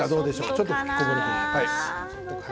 ちょっと吹きこぼれている。